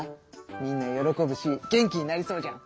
みんな喜ぶし元気になりそうじゃん！